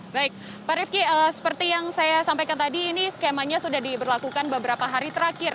baik pak rifki seperti yang saya sampaikan tadi ini skemanya sudah diberlakukan beberapa hari terakhir